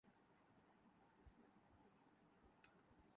کراچی سے Peshawar railway line کی upgradation کا سنگ بنیاد مارچ میں رکھا جائے گا